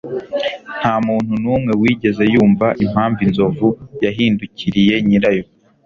ntamuntu numwe wigeze yumva impamvu inzovu yahindukiriye nyirayo